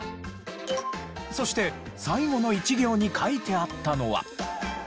そして最後の１行に書いてあったのは。